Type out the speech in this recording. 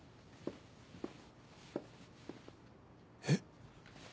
えっ？